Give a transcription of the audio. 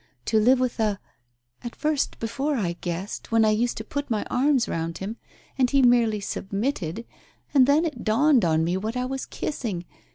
To live with a At first before I guessed when I used to put my arms round him, and he merely submitted — and then it dawned on me what I was kissing